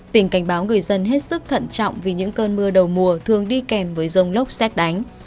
tỉnh cảnh báo người dân hết sức thận trọng vì những cơn mưa đầu mùa thường đi kèm với rông lốc xét đánh